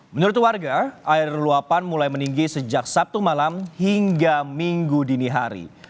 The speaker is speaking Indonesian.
menurut warga air luapan mulai meninggi sejak sabtu malam hingga minggu dini hari